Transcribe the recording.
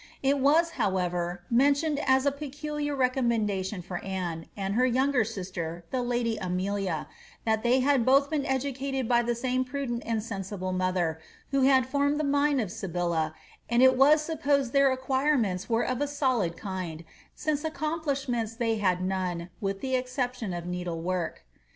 li was, however, mentioned u a peculiar recommendation for Anne, and her younger sister, the lidy Amelia, that they had both been educated by the same prudent and sensible mother, who had formed the mind of Sybilla, and it was sap posed their acquirements were of a solid kind, since accomplishments they had none, with the exception of needle work.'